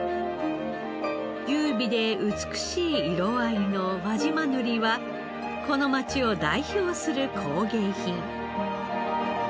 優美で美しい色合いの輪島塗はこの街を代表する工芸品。